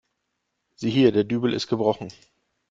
Sieh hier, der Dübel ist gebrochen.